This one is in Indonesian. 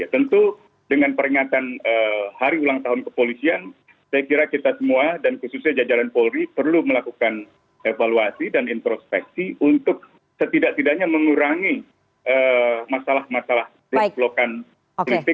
tentu dengan peringatan hari ulang tahun kepolisian saya kira kita semua dan khususnya jajaran polri perlu melakukan evaluasi dan introspeksi untuk setidak tidaknya mengurangi masalah masalah blok blokan politik